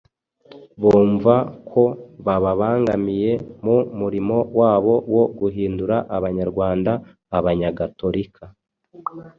bumva ko bababangamiye mu murimo wabo wo guhindura Abanyarwanda Abanyagatolika.